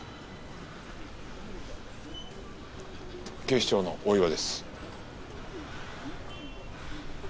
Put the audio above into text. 警視庁の大岩です。